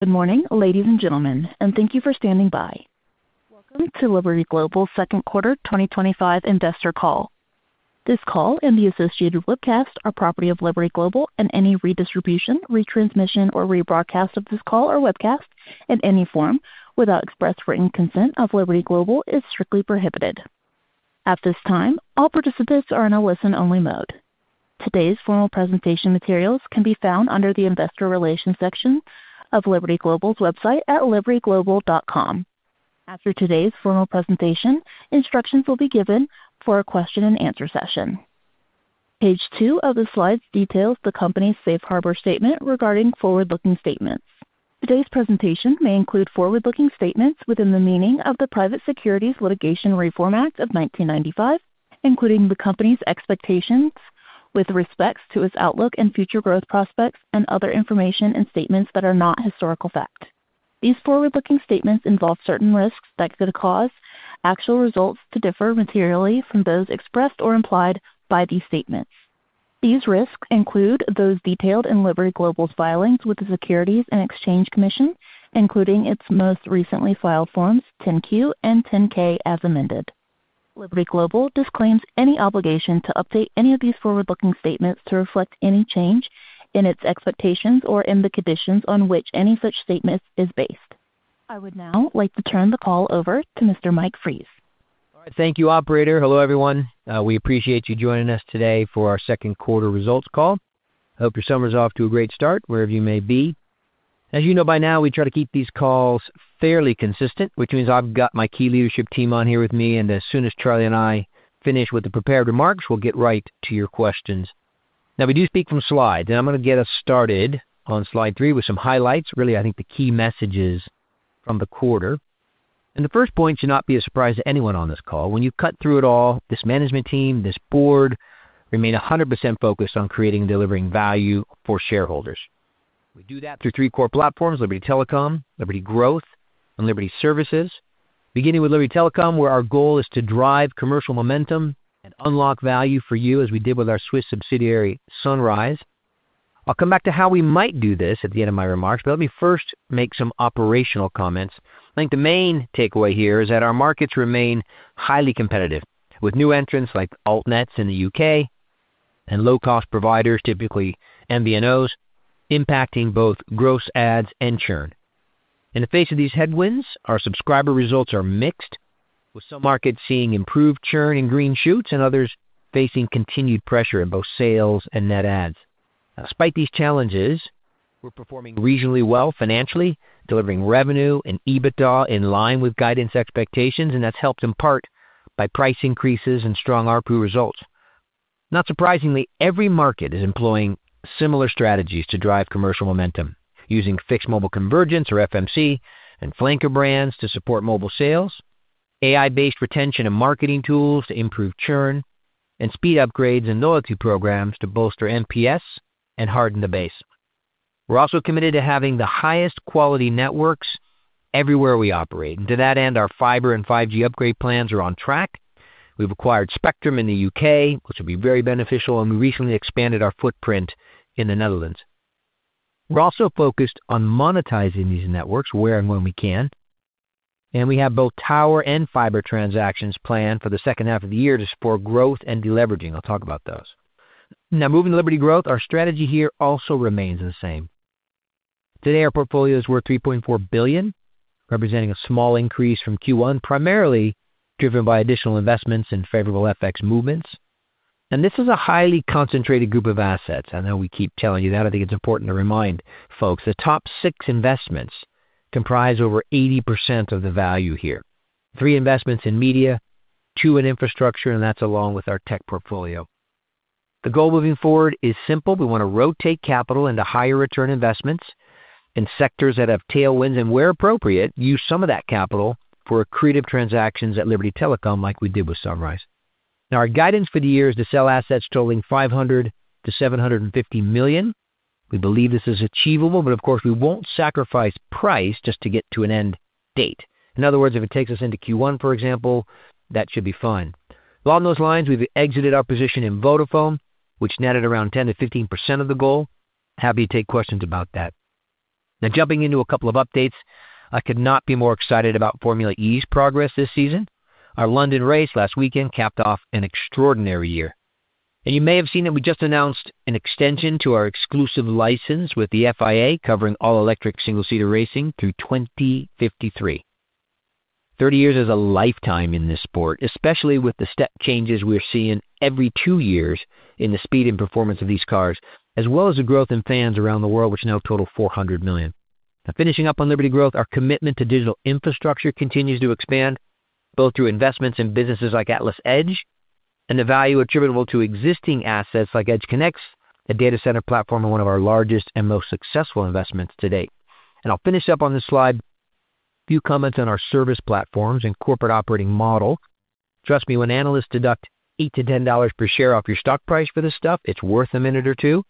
Good morning ladies and gentlemen and thank you for standing by. Welcome to Liberty Global's Second Quarter 202 Investor Call. This call and the associated webcast are property of Liberty Global, and any redistribution, retransmission, or rebroadcast of this call or webcast in any form without express written consent of Liberty Global is strictly prohibited at this time. All participants are in a listen-only mode. Today's formal presentation materials can be found under the Investor Relations section of Liberty Global's website at libertyglobal.com. After today's formal presentation, instructions will be given for a question and answer session. Page two of the slides details the Company's safe harbor statement regarding forward-looking statements. Today's presentation may include forward-looking statements within the meaning of the Private Securities Litigation Reform Act of 1995, including the company's expectations with respect to its outlook and future growth prospects and other information and statements that are not historical facts. These forward-looking statements involve certain risks that could cause actual results to differ materially from those expressed or implied by these statements. These risks include those detailed in Liberty Global's filings with the Securities and Exchange Commission, including its most recently filed Forms 10-Q and 10-K as amended. Liberty Global disclaims any obligation to update any of these forward-looking statements to reflect any change in its expectations or in the conditions on which any such statement is based. I would now like to turn the call over to Mr. Mike Fries. Thank you, operator. Hello, everyone. We appreciate you joining us today for our second quarter results call. Hope your summer's off to a great start wherever you may be. As you know by now, we try to keep these calls fairly consistent, which means I've got my key leadership team on here with me, and as soon as Charlie and I finish with the prepared remarks, we'll get right to your questions. We do speak from slides, and I'm going to get us started on slide three with some highlights. Really, I think the key messages from the quarter and the first point should not be a surprise to anyone on this call. When you cut through it all, this management team, this board, remain 100% focused on creating and delivering value for shareholders. We do that through three core platforms: Liberty Telecom, Liberty Growth, and Liberty Services, beginning with Liberty Telecom, where our goal is to drive commercial momentum and unlock value for you, as we did with our Swiss subsidiary Sunrise. I'll come back to how we might do this at the end of my remarks, but let me first make some operational comments. I think the main takeaway here is that our markets remain highly competitive with new entrants like altnets in the UK and low-cost providers, typically MVNOs, impacting both gross adds and churn. In the face of these headwinds, our subscriber results are mixed, with some markets seeing improved churn and green shoots and others facing continued pressure in both sales and net adds. Despite these challenges, we're performing regionally well financially, delivering revenue and EBITDA in line with guidance expectations. That's helped in part by price increases and strong ARPU results. Not surprisingly, every market is employing similar strategies to drive commercial momentum, using fixed mobile convergence or FMC and flanker brands to support mobile sales, AI-based retention and marketing tools to improve churn, and speed upgrades and loyalty programs to bolster NPS and harden the base. We're also committed to having the highest quality networks everywhere we operate, and to that end, our fiber and 5G upgrade plans are on track. We've acquired spectrum in the UK, which will be very beneficial, and we recently expanded our footprint in the Netherlands. We're also focused on monetizing these networks where and when we can, and we have both tower and fiber transactions planned for the second half of the year to support growth and deleveraging. I'll talk about those now. Moving to Liberty Growth, our strategy here also remains the same. Today our portfolio is worth $3.4 billion, representing a small increase from Q1, primarily driven by additional investments and favorable FX movements. This is a highly concentrated group of assets. I know we keep telling you that. I think it's important to remind folks the top six investments comprise over 80% of the value here: three investments in media, two in infrastructure, and that's along with our tech portfolio. The goal moving forward is simple. We want to rotate capital into higher return investments in sectors that have tailwinds and, where appropriate, use some of that capital for accretive transactions at Liberty Telecom, like we did with Sunrise. Now, our guidance for the year is to sell assets totaling $500 million to $750 million. We believe this is achievable, but of course we won't sacrifice price just to get to an end date. In other words, if it takes us into Q1, for example, that should be fine. Along those lines, we've exited our position in Vodafone, which netted around 10% to 15% of the goal. Happy to take questions about that. Now, jumping into a couple of updates. I could not be more excited about Formula E's progress this season. Our London race last weekend capped off an extraordinary year, and you may have seen that we just announced an extension to our exclusive license with the FIA covering all electric single seater racing through 2053. Thirty years is a lifetime in this sport, especially with the step changes we're seeing every two years in the speed and performance of these cars, as well as the growth in fans around the world, which now total 400 million. Finishing up on Liberty Growth, our commitment to digital infrastructure continues to expand, both through investments in businesses like Atlas Edge and the value attributable to existing assets like EdgeConneX, the data center platform and one of our largest and most successful investments to date. I'll finish up on this slide. A few comments on our service platforms and corporate operating model. Trust me, when analysts deduct $8 to $10 per share off your stock price for this stuff, it's worth a minute or two.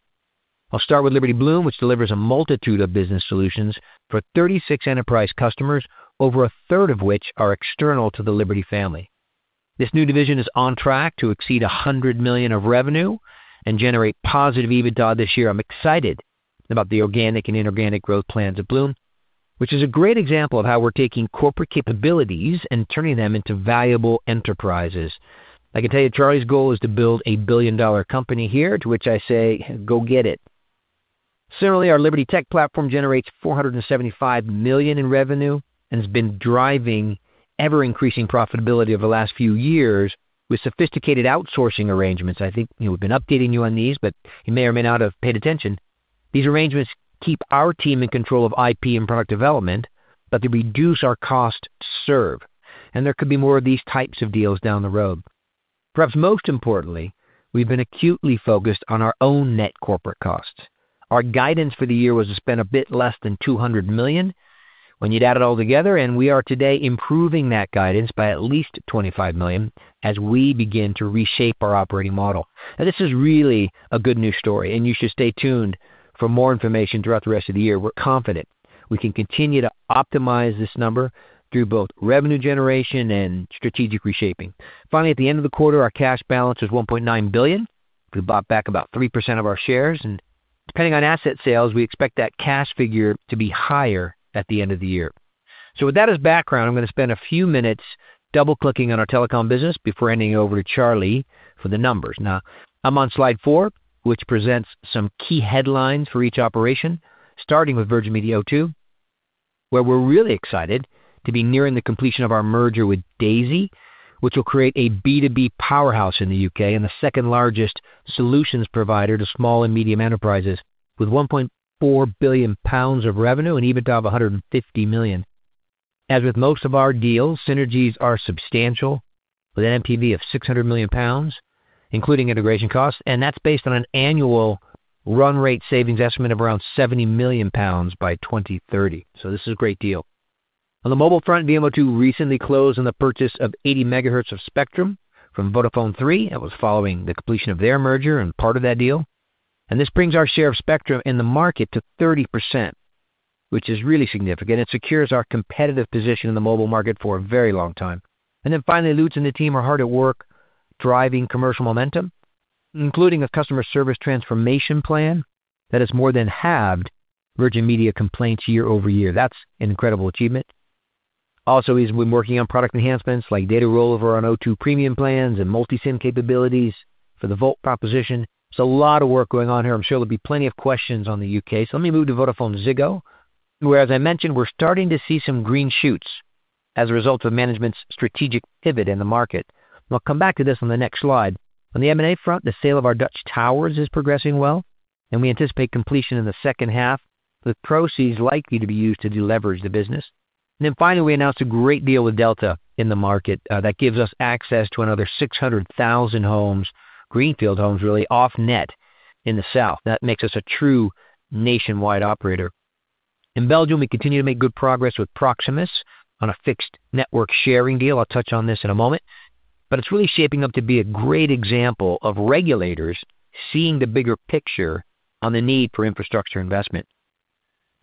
I'll start with Liberty Bloom, which delivers a multitude of business solutions for 36 enterprise customers, over a third of which are external to the Liberty family. This new division is on track to exceed $100 million of revenue and generate positive EBITDA this year. I'm excited about the organic and inorganic growth plans of Bloom, which is a great example of how we're taking corporate capabilities and turning them into valuable enterprises. I can tell you Charlie's goal is to build a billion dollar company here, to which I say go get it. Similarly, our Liberty tech platform generates $475 million in revenue and has been driving ever increasing profitability over the last few years with sophisticated outsourcing arrangements. I think we've been updating you on these, but you may or may not have paid attention. These arrangements keep our team in control of IP and product development, but they reduce our cost to serve and there could be more of these types of deals down the road. Perhaps most importantly, we've been acutely focused on our own net corporate costs. Our guidance for the year was to spend a bit less than $200 million when you'd add it all together, and we are today improving that guidance by at least $25 million as we begin to reshape our operating model. This is really a good news story and you should stay tuned for more information throughout the rest of the year. We're confident we can continue to optimize this number through both revenue generation and strategic reshaping. Finally, at the end of the quarter, our cash balance was $1.9 billion. We bought back about 3% of our shares and depending on asset sales, we expect that cash figure to be higher at the end of the year. With that as background, I'm going to spend a few minutes double clicking on our telecom business before handing over to Charlie for the numbers. Now I'm on slide four, which presents some key headlines for each operation, starting with Virgin Media O2, where we're really excited to be nearing the completion of our merger with Daisy, which will create a B2B powerhouse in the UK and the second largest solutions provider to small and medium enterprises, with 1.4 billion pounds of revenue and EBITDA of 150 million. As with most of our deals, synergies are substantial, with an NPV of 600 million pounds, including integration costs, and that's based on an annual run rate savings estimate of around 70 million pounds by 2030. This is a great deal. On the mobile front, VMO2 recently closed on the purchase of 80 MHz of spectrum from Vodafone. That was following the completion of their merger and part of that deal. This brings our share of spectrum in the market to 30%, which is really significant and secures our competitive position in the mobile market for a very long time. Finally, Lutz and the team are hard at work driving commercial momentum, including a customer service transformation plan that has more than halved Virgin Media complaints year over year. That's an incredible achievement. He's also been working on product enhancements like data rollover on O2 premium plans and multisim capabilities for the Volt proposition. There's a lot of work going on here. I'm sure there'll be plenty of questions on the UK, so let me move to VodafoneZiggo, where, as I mentioned, we're starting to see some green shoots as a result of management's strategic pivot in the market. I'll come back to this on the next slide. On the M&A front, the sale of our Dutch towers is progressing well and we anticipate completion in the second half, with proceeds likely to be used to deleverage the business. We announced a great deal with Delta in the market that gives us access to another 600,000 homes, greenfield homes, really off-net in the south. That makes us a true nationwide operator. In Belgium, we continue to make good progress with Proximus on a fixed network sharing deal. I'll touch on this in a moment, but it's really shaping up to be a great example of regulators seeing the bigger picture on the need for infrastructure investment.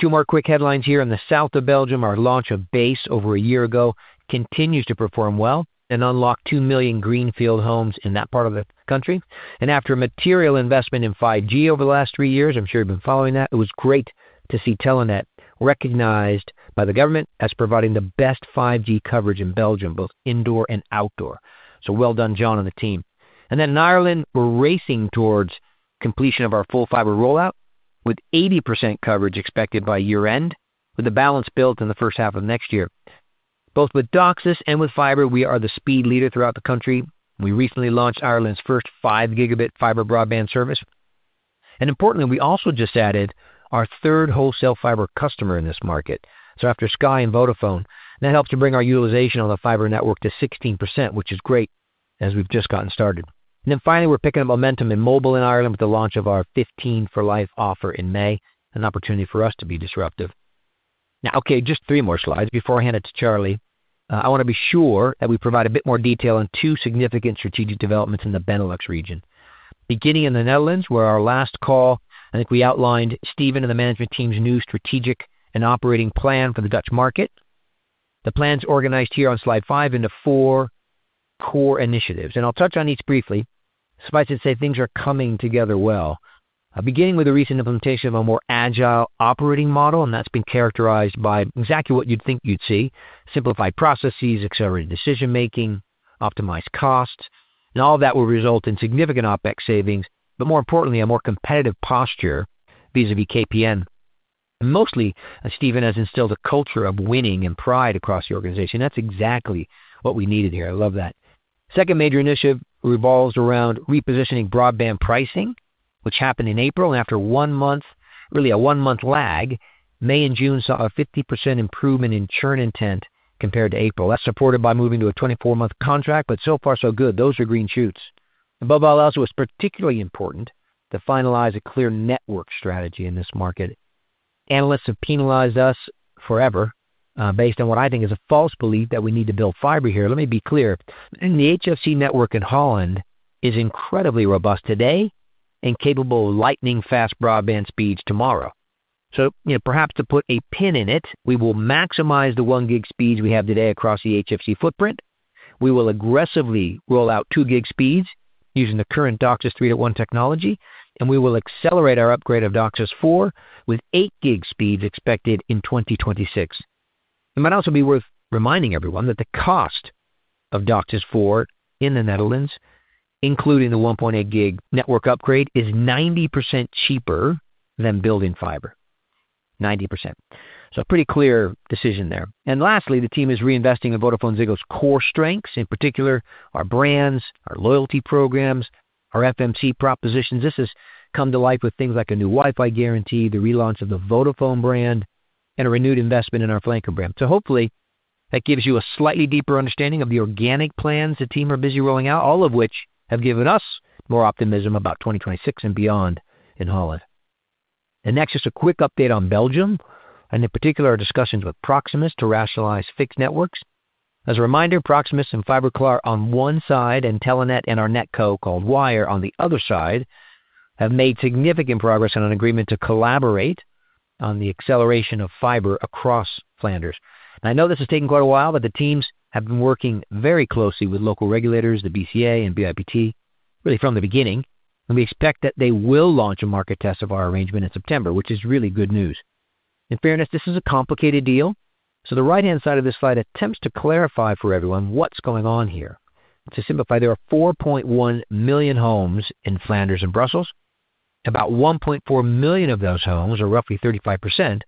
Two more quick headlines here: in the south of Belgium, our launch of BASE over a year ago continues to perform well and unlocked 2 million greenfield homes in that part of the country. After a material investment in 5G over the last three years, I'm sure you've been following that. It was great to see Telenet recognized by the government as providing the best 5G coverage in Belgium, both indoor and outdoor. Well done, John and the team. In Ireland, we're racing towards completion of our full fiber rollout with 80% coverage expected by year end, with the balance built in the first half of next year. Both with DOCSIS and with fiber, we are the speed leader throughout the country. We recently launched Ireland's first five Gb fiber broadband service. Importantly, we also just added our third wholesale fiber customer in this market. After Sky and Vodafone, that helps to bring our utilization on the fiber network to 16%, which is great as we've just gotten started. And then finally we're picking up momentum in mobile in Ireland with the launch of our 15 for Life offer in May. An opportunity for us to be disruptive now. Okay, just three more slides. Before I hand it to Charlie, I want to be sure that we provide a bit more detail on two significant strategic developments in the Benelux region. Beginning in the Netherlands, where on our last call I think we outlined Stephen and the management team's new strategic and operating plan for the Dutch market. The plan is organized here on slide five into four core initiatives and I'll touch on each briefly. Suffice it to say, things are coming together well, beginning with the recent implementation of a more agile operating model. That's been characterized by exactly what you'd think you'd see: simplified processes, accelerated decision making, optimized costs, and all that will result in significant OpEx savings, but more importantly, a more competitive posture vis-à-vis KPN. Mostly, Stephen has instilled a culture of winning and pride across the organization. That's exactly what we needed here. I love that. The second major initiative revolves around repositioning broadband pricing, which happened in April and after one month, really a one month lag, May and June saw a 50% improvement in churn intent compared to April. That's supported by moving to a 24-month contract. So far so good. Those are green shoots above all else. It was particularly important to finalize a clear network strategy in this market. Analysts have penalized us forever based on what I think is a false belief that we need to build fiber here. Let me be clear. The HFC network in Holland is incredibly robust today and capable of lightning fast broadband speeds tomorrow. Perhaps to put a pin in it, we will maximize the one gig speeds we have today across the HFC footprint, we will aggressively roll out two gig speeds using the current DOCSIS 3.1 technology, and we will accelerate our upgrade of DOCSIS 4.0 with eight gig speeds expected in 2026. It might also be worth reminding everyone that the cost of DOCSIS 4.0 in the Netherlands, including the 1.8 gig network upgrade, is 90% cheaper than building fiber. 90%. Pretty clear decision there. Lastly, the team is reinvesting in VodafoneZiggo's core strengths, in particular our brands, our loyalty programs, our FMC propositions. This has come to life with things like a new WiFi guarantee, the relaunch of the Vodafone brand, and a renewed investment in our flanker brand. Hopefully that gives you a slightly deeper understanding of the organic plans the team are busy rolling out, all of which have given us more optimism about 2026 and beyond in Holland. Next, just a quick update on Belgium and in particular our discussions with Proximus to rationalize fixed networks. As a reminder, Proximus and Fiberklaar on one side and Telenet and our Netco called Wyre on the other side have made significant progress on an agreement to collaborate on the acceleration of fiber across Flanders. I know this has taken quite a while, but the teams have been working very closely with local regulators, the BCA and BIPT really from the beginning, and we expect that they will launch a market test of our arrangement in September, which is really good news. In fairness, this is a complicated deal, so the right-hand side of this slide attempts to clarify for everyone what's going on here. To simplify, there are 4.1 million homes in Flanders and Brussels. About 1.4 million of those homes, or roughly 35%,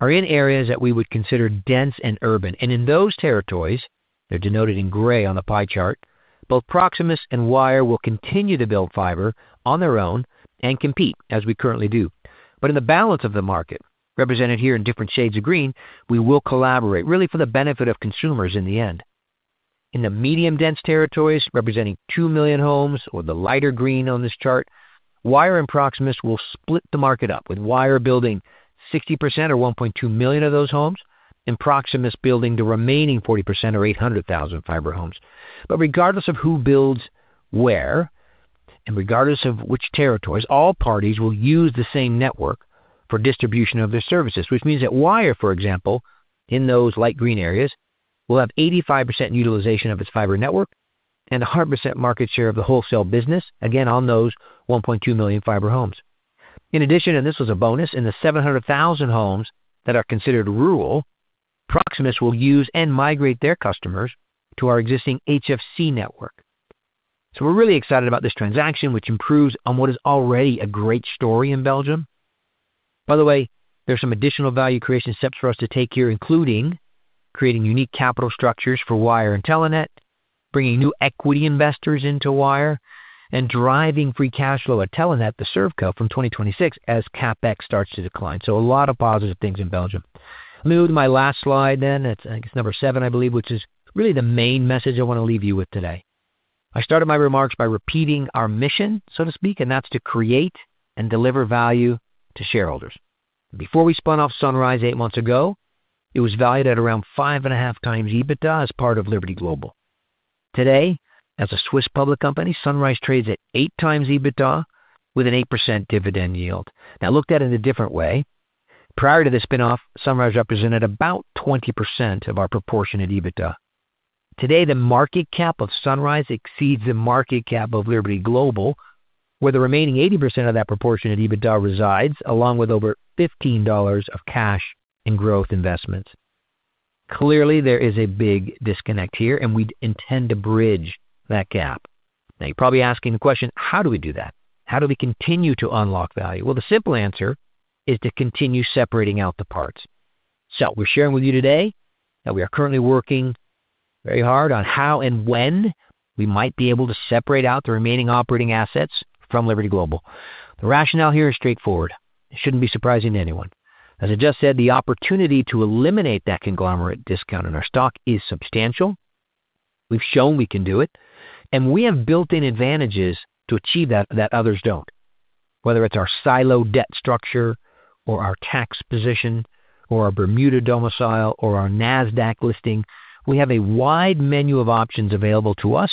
are in areas that we would consider dense and urban. In those territories, they're denoted in gray on the pie chart. Both Proximus and Wyre will continue to build fiber on their own and compete as we currently do, but in the balance of the market represented here in different shades of green, we will collaborate, really for the benefit of consumers. In the end, in the medium dense territories representing 2 million homes, or the lighter green on this chart, Wyre and Proximus will split the market up, with Wyre building 60% or 1.2 million of those homes, and Proximus building the remaining 40% or 800,000 fiber homes. Regardless of who builds where and regardless of which territories, all parties will use the same network for distribution of their services, which means that Wyre, for example, in those light green areas will have 85% utilization of its fiber network and 100% market share of the wholesale business again on those 1.2 million fiber homes. In addition, and this was a bonus, in the 700,000 homes that are considered rural, Proximus will use and migrate their customers to our existing HFC network. We're really excited about this transaction, which improves on what is already a great story in Belgium. By the way, there's some additional value creation steps for us to take here, including creating unique capital structures for Wyre and Telenet, bringing new equity investors into Wyre, and driving free cash flow at Telenet. The Servco from 2026 as CapEx starts to decline. A lot of positive things in Belgium. Moving to my last slide, then, it's number seven, I believe, which is really the main message I want to leave you with today. I started my remarks by repeating our mission, so to speak, and that's to create and deliver value to shareholders. Before we spun off Sunrise eight months ago, it was valued at around 5.5x EBITDA as part of Liberty Global. Today, as a Swiss public company, Sunrise trades at 8x EBITDA with an 8% dividend yield. Now, looked at it in a different way. Prior to the spin-off, Sunrise represented about 20% of our proportionate EBITDA. Today, the market cap of Sunrise exceeds the market cap of Liberty Global, where the remaining 80% of that proportionate EBITDA resides, along with over $15 of cash and growth investments. Clearly, there is a big disconnect here and we intend to bridge that gap. You're probably asking the question, how do we do that? How do we continue to unlock value? The simple answer is to continue separating out the parts. We're sharing with you today that we are currently working very hard on how and when we might be able to separate out the remaining operating assets from Liberty Global. The rationale here is straightforward. It shouldn't be surprising to anyone. As I just said, the opportunity to eliminate that conglomerate discount in our stock is substantial. We've shown we can do it and we have built-in advantages to achieve that that others don't. Whether it's our silo debt structure or our tax position or our Bermuda domicile or our NASDAQ listing, we have a wide menu of options available to us,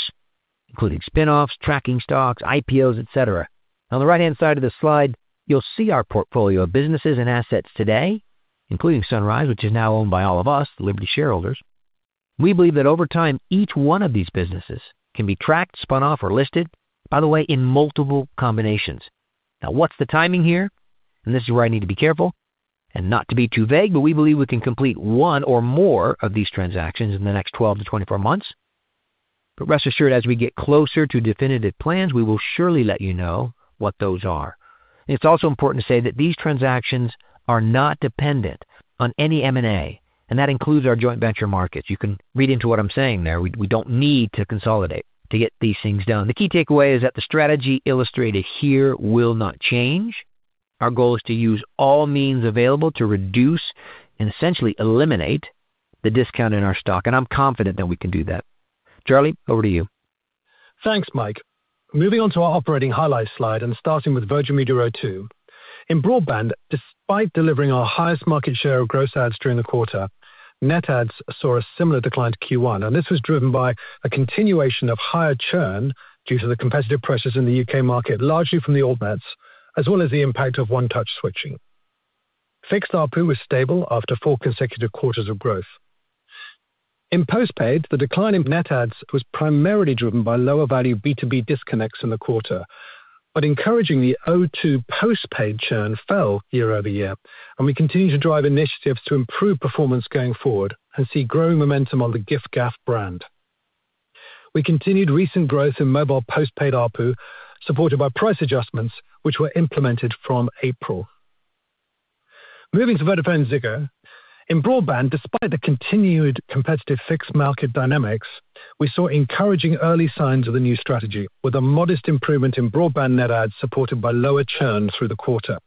including spin-offs, tracking stocks, IPOs, etc. On the right-hand side of the slide, you'll see our portfolio of businesses and assets today, including Sunrise, which is now owned by all of us, the Liberty shareholders. We believe that over time each one of these businesses can be tracked, spun off, or listed, by the way, in multiple combinations. What's the timing here, and this is where I need to be careful, and not to be too vague, but we believe we can complete one or more of these transactions in the next 12-24 months. Rest assured, as we get closer to definitive plans, we will surely let you know what those are. It's also important to say that these transactions are not dependent on any M&A, and that includes our joint venture markets. You can read into what I'm saying there. We don't need to consolidate to get these things done. The key takeaway is that the strategy illustrated here will not change. Our goal is to use all means available to reduce and essentially eliminate the discount in our stock, and I'm confident that we can do that. Charlie, over to you. Thanks Mike. Moving on to our operating highlights slide and starting with Virgin Media O2 in broadband, despite delivering our highest market share of gross ads during the quarter, net adds saw a similar decline to Q1. This was driven by a continuation of higher churn due to the competitive pressures in the UK market, largely from the altnets as well as the impact of one touch switching. Fixed ARPU was stable after four consecutive quarters of growth in postpaid. The decline in net adds was primarily driven by lower value B2B disconnects in the quarter, but encouragingly, the O2 postpaid churn fell year over year. We continue to drive initiatives to improve performance going forward and see growing momentum on the giffgaff brand. We continued recent growth in mobile postpaid ARPU supported by price adjustments which were implemented from April. Moving to VodafoneZiggo in broadband, despite the continued competitive fixed market dynamics, we saw encouraging early signs of the new strategy with a modest improvement in broadband net adds supported by lower churn through the quarter.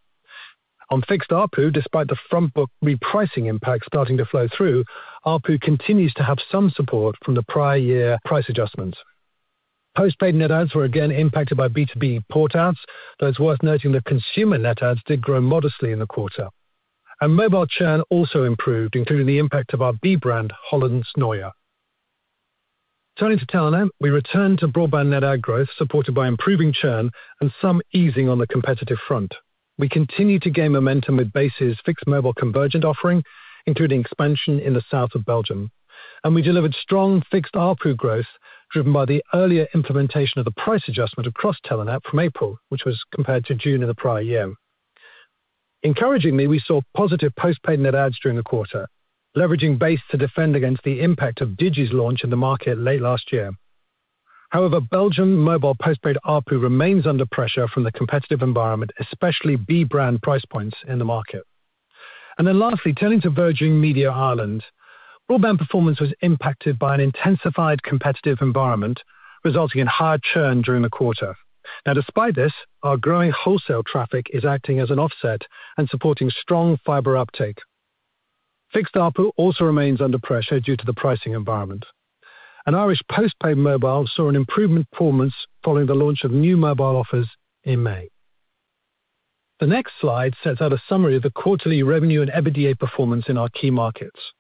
On fixed ARPU, despite the front book repricing impact starting to flow through, ARPU continues to have some support from the prior year price adjustments. Postpaid net adds were again impacted by B2B port adds, though it's worth noting that consumer net adds did grow modestly in the quarter and mobile churn also improved, including the impact of our B brand Hollandsnieuwe. Turning to Telenet, we returned to broadband net add growth supported by improving churn and some easing on the competitive front. We continue to gain momentum with BASE's fixed mobile convergent offering, including expansion in the south of Belgium, and we delivered strong fixed ARPU growth driven by the earlier implementation of the price adjustment across Telenet from April, which was compared to June of the prior year. Encouragingly, we saw positive postpaid net adds during the quarter, leveraging BASE to defend against the impact of Digi's launch in the market late last year. However, Belgium mobile postpaid ARPU remains under pressure from the competitive environment, especially B brand price points in the market. Lastly, turning to Virgin Media Ireland, broadband performance was impacted by an intensified competitive environment resulting in higher churn during the quarter. Despite this, our growing wholesale traffic is acting as an offset and supporting strong fiber uptake. Fixed ARPU also remains under pressure due to the pricing environment, and Irish postpaid mobile saw an improved performance following the launch of new mobile offers in May. The next slide sets out a summary of the quarterly revenue and EBITDA performance in our key markets.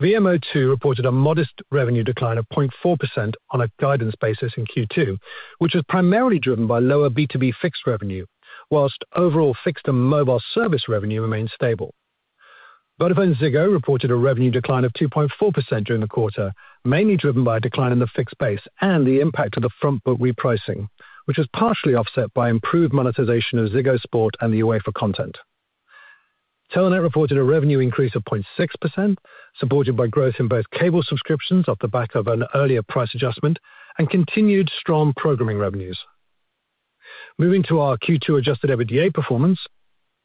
VMO2 reported a modest revenue decline of 0.4% on a guidance basis in Q2, which was primarily driven by lower B2B fixed revenue, whilst overall fixed and mobile service revenue remained stable. VodafoneZiggo reported a revenue decline of 2.4% during the quarter, mainly driven by a decline in the fixed base and the impact of the front book repricing, which was partially offset by improved monetization of Ziggo Sport and the UEFA content. Telenet reported a revenue increase of 0.6%, supported by growth in both cable subscriptions off the back of an earlier price adjustment and continued strong programming revenues. Moving to our Q2 adjusted EBITDA performance,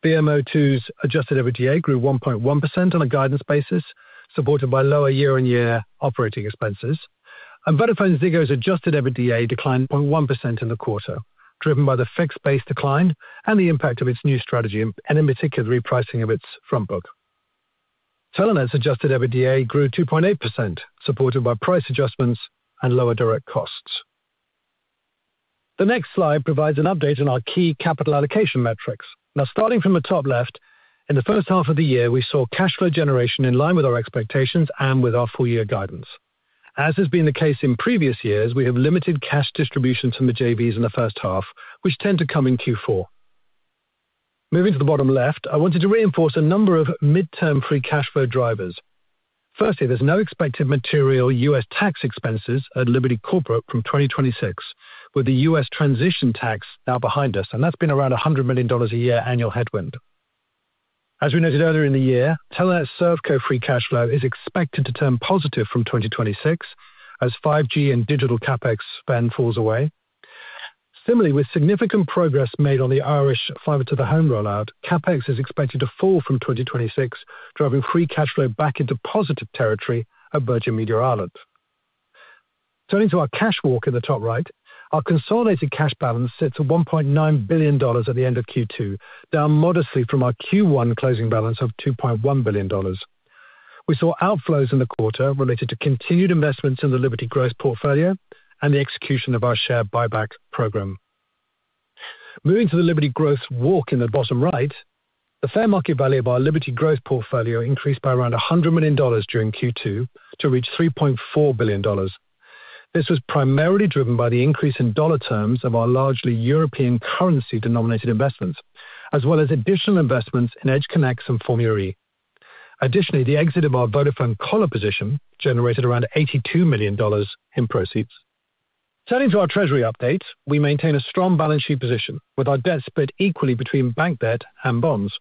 VMO2's adjusted EBITDA grew 1.1% on a guidance basis, supported by lower year-on-year operating expenses. VodafoneZiggo's adjusted EBITDA declined 0.1% in the quarter, driven by the fixed base decline and the impact of its new strategy and, in particular, pricing of its front book. Telenet's adjusted EBITDA grew 2.8%, supported by price adjustments and lower direct costs. The next slide provides an update on our key capital allocation metrics. Now, starting from the top left, in the first half of the year we saw cash flow generation in line with our expectations and with our full-year guidance. As has been the case in previous years, we have limited cash distributions from the JVs in the first half, which tend to come in Q4. Moving to the bottom left, I wanted to reinforce a number of mid-term free cash flow drivers. Firstly, there's no expected material U.S. tax expenses at Liberty Corporate from 2026, with the U.S. transition tax now behind us, and that's been around $100 million a year annual headwind. As we noted earlier in the year, Telenet's Servco free cash flow is expected to turn positive from 2026 as CapEx spend falls away. Similarly, with significant progress made on the Irish fiber to the home rollout, CapEx is expected to fall from 2026, driving free cash flow back into positive territory at Virgin Media Ireland. Turning to our cash walk in the top right, our consolidated cash balance sits at $1.9 billion at the end of Q2, down modestly from our Q1 closing balance of $2.1 billion. We saw outflows in the quarter related to continued investments in the Liberty Growth portfolio and the execution of our share buyback program. Moving to the Liberty Growth walk in the bottom right, the fair market value of our Liberty Growth portfolio increased by around $100 million during Q2 to reach $3.4 billion. This was primarily driven by the increase in dollar terms of our largely European currency denominated investments as well as additional investments in EdgeConneX and Formula E. Additionally, the exit of our Vodafone collar position generated around $82 million in proceeds. Turning to our treasury updates, we maintain a strong balance sheet position with our debt split equally between bank debt and bonds.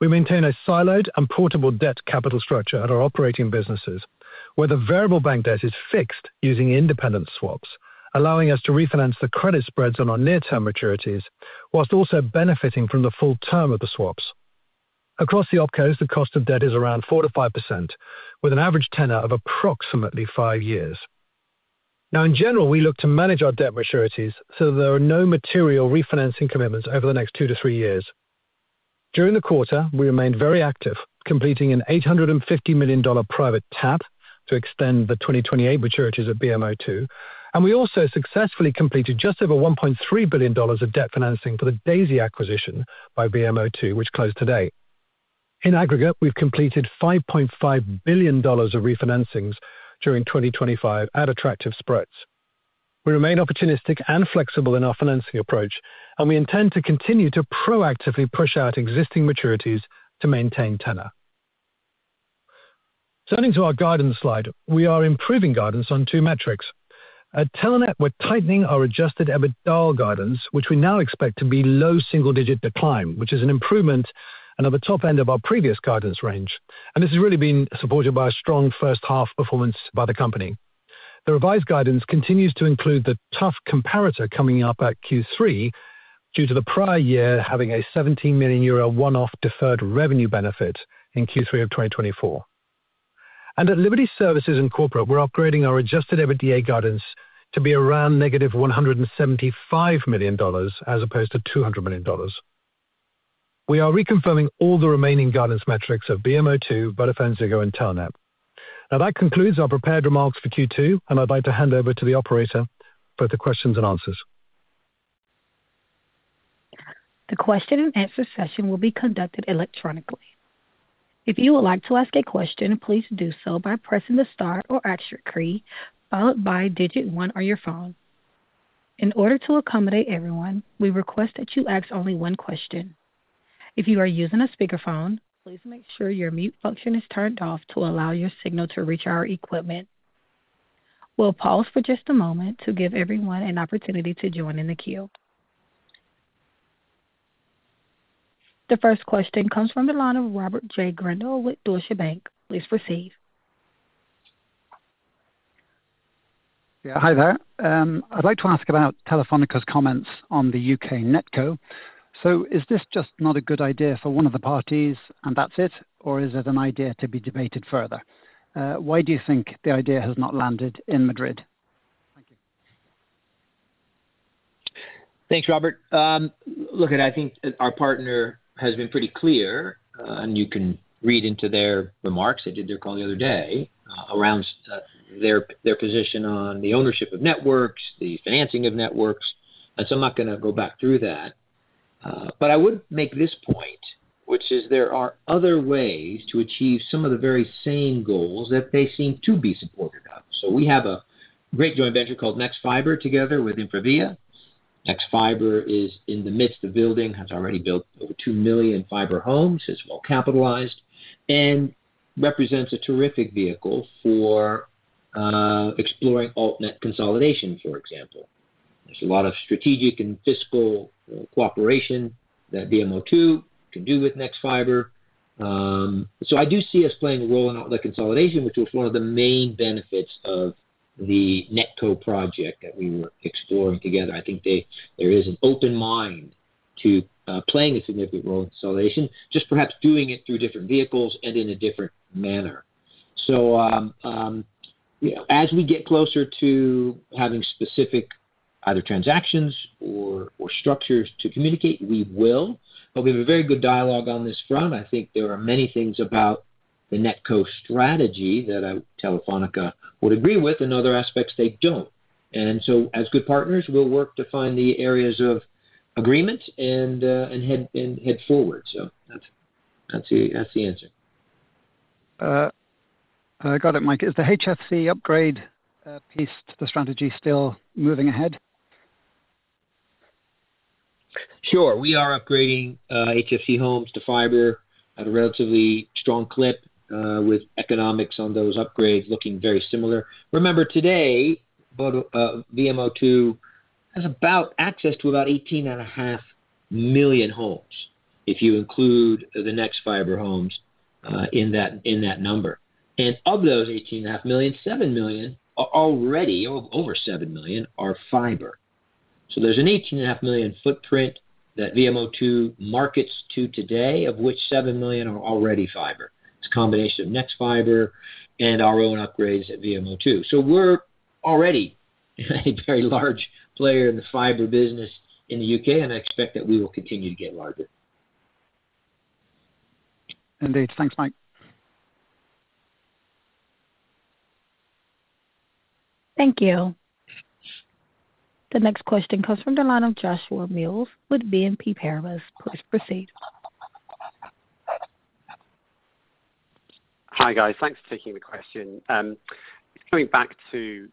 We maintain a siloed and portable debt capital structure at our operating businesses where the variable bank debt is fixed using independent swaps, allowing us to refinance the credit spreads on our near term maturities whilst also benefiting from the full term of the swaps. Across the OPCOs, the cost of debt is around 4% to 5% with an average tenor of approximately 5 years. In general, we look to manage our debt maturities so there are no material refinancing commitments over the next two to three years. During the quarter we remained very active, completing an $850 million private tap to extend the 2028 maturities at Virgin Media O2 and we also successfully completed just over $1.3 billion of debt financing for the Daisy acquisition by Virgin Media O2 which closed today. In aggregate, we've completed $5.5 billion of refinancings during 2025 at attractive spreads. We remain opportunistic and flexible in our financing approach and we intend to continue to proactively push out existing maturities to maintain tenor. Turning to our guidance slide, we are improving guidance on two metrics. At Telenet, we're tightening our adjusted EBITDA guidance which we now expect to be low single digit decline which is an improvement and at the top end of our previous guidance range and this has really been supported by a strong first half performance by the company. The revised guidance continues to include the tough comparator coming up at Q3 due to the prior year having a €17 million one off deferred revenue benefit in Q3 of 2024 and at Liberty Services, we're upgrading our adjusted EBITDA guidance to be around negative $175 million as opposed to $200 million. We are reconfirming all the remaining guidance metrics of Virgin Media O2, VodafoneZiggo and Telenet. Now that concludes our prepared remarks for Q2, and I'd like to hand over to the operator for the questions and answers. The question and answer session will be conducted electronically. If you would like to ask a question, please do so by pressing the star or action key followed by digit one on your phone. In order to accommodate everyone, we request that you ask only one question. If you are using a speakerphone, please make sure your mute function is turned off to allow your signal to reach our equipment. We'll pause for just a moment to give everyone an opportunity to join the queue. The first question comes from the line of Robert J. Grindel with Deutsche Bank. Hi there. I'd like to ask about Telefónica's comments on the UK netco. Is this just not a good. Idea for one of the parties. That's it, or is it an idea to be debated further? Why do you think the idea has not landed in Madrid? Thank you. Thanks, Robert. I think our partner has been pretty clear and you can read into their remarks. They did their call the other day around their position on the ownership of networks, the financing of networks. I'm not going to go back through that. I would make this point, which is there are other ways to achieve some of the very same goals that they seem to be supportive of. We have a great joint venture called NextFiber together with Infravia. NextFiber is in the midst of building, has already built over two million fiber homes, is well capitalized, and represents a terrific vehicle for exploring altnet consolidation. For example, there's a lot of strategic and fiscal cooperation that Virgin Media O2 can do with NextFiber. I do see us playing a role in altnet consolidation, which was one of the main benefits of the Netco project that we were exploring together. I think there is an open mind to playing a significant role in consolidation, just perhaps doing it through different vehicles and in a different manner. As we get closer to having specific either transactions or structures to communicate, we will, but we have a very good dialogue on this front. I think there are many things about the Netco strategy that Telefonica would agree with and other aspects they don't. As good partners we'll work to find the areas of agreement and head forward. That's the answer. Got it. Mike, is the HFC upgrade piece to the strategy still moving ahead? Sure. We are upgrading HFC homes to fiber at a relatively strong clip, with economics on those upgrades looking very similar. Remember today VMO2 has access to about 18.5 million homes if you include the NextFiber homes in that number, and of those 18.5 million, over 7 million are fiber. There's an 18.5 million footprint that VMO2 markets to today, of which 7 million are already fiber. It's a combination of NextFiber and our own upgrades at VMO2. We're already a very large player in the fiber business in the UK, and I expect that we will continue to get larger. Indeed. Thanks, Mike. Thank you. The next question comes from the line of Joshua Mills with BNP Paribas. Please proceed. Hi guys, thanks for taking the question. Coming back to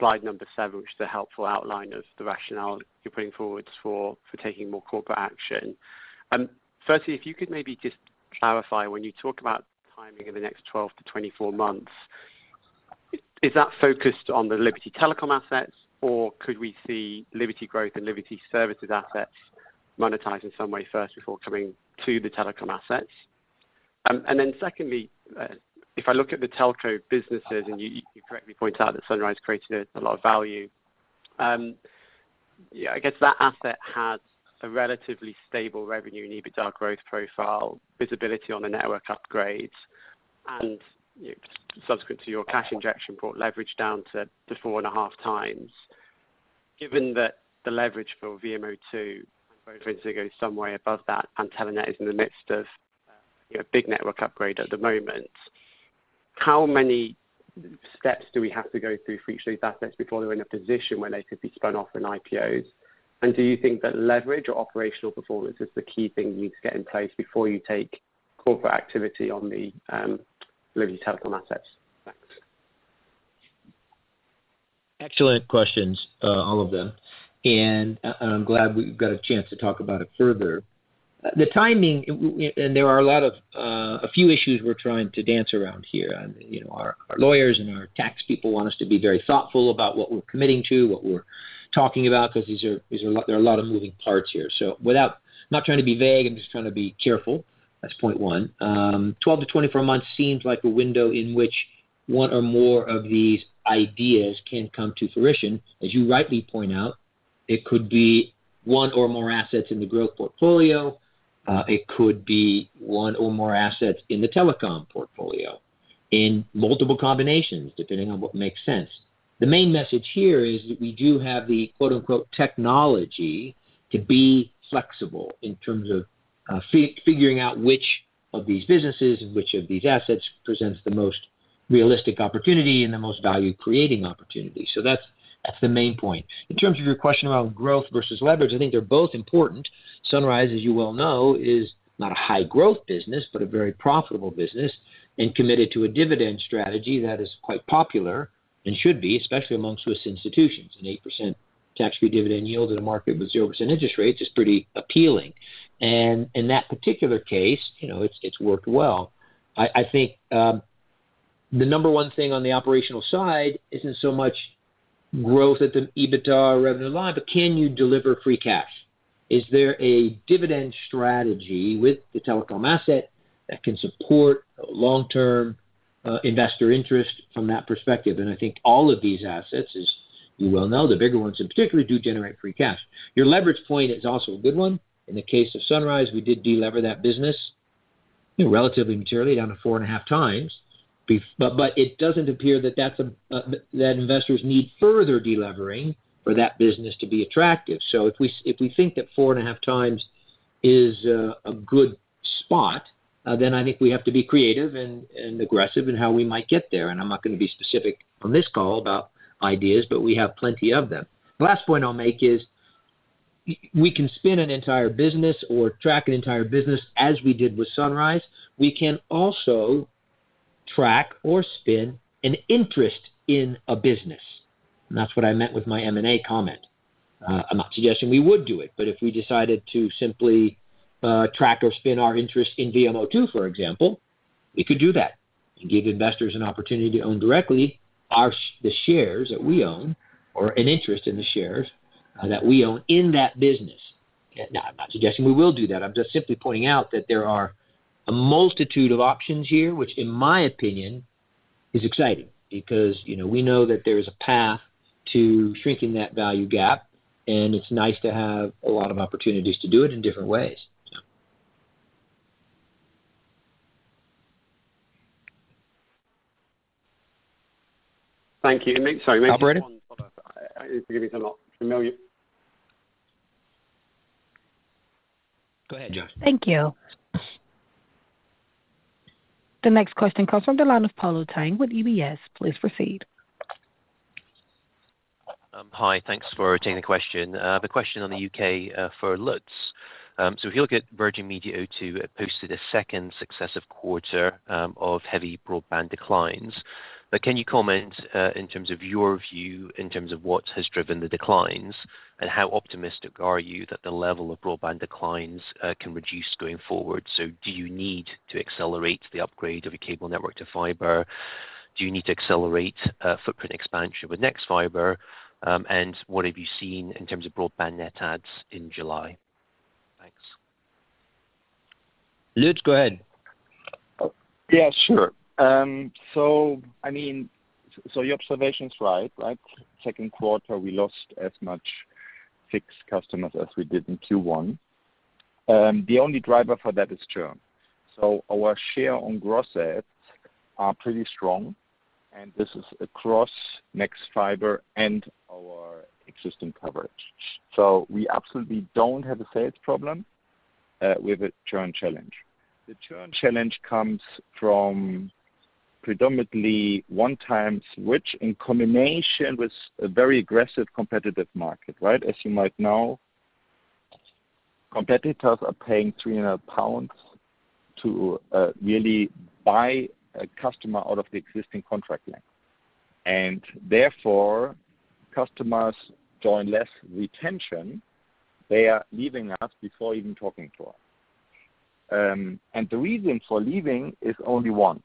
slide number seven, which is a helpful outline of the rationale you're putting forward for taking more corporate action. Firstly, if you could maybe just clarify, when you talk about timing in the next 12 to 24 months, is that focused on the Liberty Telecom assets? Could we see Liberty Growth and Liberty Services assets monetize in some way first before coming to the telecom assets? Secondly, if I look at the Telco businesses and you correctly point out that Sunrise created a lot of Value. I guess that asset has a relatively stable revenue and EBITDA growth profile. Visibility on the network upgrades, and subsequent to your cash injection, brought leverage down to 4.5x. Given that the leverage for VMO2 goes some way above that and Telenet is in the midst of a big network upgrade at the moment, how many steps do we have to go through for each of these assets before they're in a position where they could be spun off in IPOs? Do you think that leverage or. Operational performance is the key thing you need to get in place before you take corporate activity on the Liberty Telecom assets? Thanks. Excellent questions, all of them. I'm glad we got a chance to talk about it further. The timing and there are a lot of a few issues we're trying to dance around here. You know, our lawyers and our tax people want us to be very thoughtful about what we're committing to, what we're talking about because these are a lot of moving parts here. I'm just trying to be careful. That's point one. Twelve to twenty-four months seems like a window in which one or more of these ideas can come to fruition. As you rightly point out, it could be one or more assets in the growth portfolio. It could be one or more assets in the telecom portfolio in multiple combinations depending on what makes sense. The main message here is that we do have the technology to be flexible in terms of figuring out which of these businesses, which of these assets presents the most realistic opportunity and the most value creating opportunity. That's the main point. In terms of your question around growth versus leverage, I think they're both important. Sunrise, as you well know, is not a high growth business, but a very profitable business and committed to a dividend strategy that is quite popular and should be especially amongst Swiss institutions. An 8% tax free dividend yield in a market with 0% interest rates is pretty appealing and in that particular case it's worked well. I think the number one thing on the operational side isn't so much growth at the EBITDA revenue line, but can you deliver free cash? Is there a dividend strategy with the telecom asset that can support long term investor interest from that perspective? I think all of these assets, as you well know, the bigger ones in particular do generate free cash. Point is also a good one. In the case of Sunrise, we did delever that business relatively materially down to 4.5x. It doesn't appear that investors need further delevering for that business to be attractive. If we think that 4.5x is a good spot, then I think we have to be creative and aggressive in how we might get there. I'm not going to be specific on this call about ideas, but we have plenty of them. The last point I'll make is we can spin an entire business or track an entire business as we did with Sunrise. We can also track or spin an interest in a business. That's what I meant with my M&A comment. I'm not suggesting we would do it, but if we decided to simply track or spin our interest in VMO2, for example, we could do that. Give investors an opportunity to own directly the shares that we own or an interest in the shares that we own in that business. I'm not suggesting we will do that. I'm just simply pointing out that there are a multitude of options here, which in my opinion is exciting because we know that there is a path to shrinking that value gap, and it's nice to have a lot of opportunities to do it in different ways. Thank you. Sorry. Go ahead, Joshua. Thank you. The next question comes from the line of Paul Tang with BNP Paribas. Please proceed. Hi, thanks for taking the question. I have a question on the UK for Lutz. If you look at Virgin Media O2, it posted a second successive quarter of heavy broadband declines. Can you comment in terms of your view in terms of what has driven the declines, and how optimistic are you that the level of broadband declines? Can reduce going forward? Do you need to accelerate the upgrade of a cable network to fiber? Do you need to accelerate footprint expansion with NextFiber? What have you seen in terms of broadband net adds in July? Thanks. Lutz, go ahead. Yeah, sure. Your observation is right. Second quarter we lost as many fixed customers as we did in Q1. The only driver for that is churn. Our share on gross adds is pretty strong, and this is across max fiber and our existing coverage. We absolutely don't have a sales problem, we have a churn challenge. The churn challenge comes from predominantly one time, which in combination with a very aggressive competitive market. As you might know, competitors are paying 300 pounds to really buy a customer out of the existing contract. Therefore, customers show less retention. They are leaving us before even talking to us, and the reason for leaving is only one.